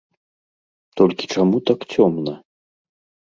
Толькі чаму так цёмна?